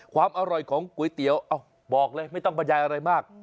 ความอร่อยของก๋วยเตี๋ยวบอกเลยไม่ต้องบรรยายอะไรมาก